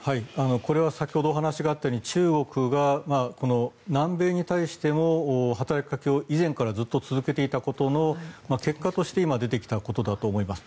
これは先ほどお話があったように中国が南米に対しても働きかけを以前からずっと続けていたことの結果として今、出てきたことだと思います。